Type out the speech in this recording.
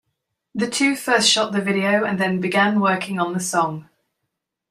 The two first shot the video and then began working on the song.